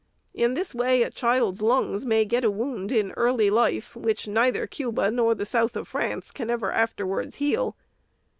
In this way, a child's lungs may get a wound in early life, which neither Cuba nor the south of France can ever afterwards heal.